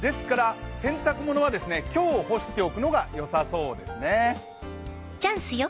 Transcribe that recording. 洗濯物は今日干しておくのがよさそうですよ。